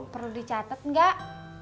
perlu dicatet nggak